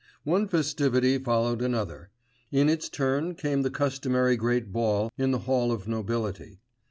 One festivity followed another; in its turn came the customary great ball in the Hall of Nobility.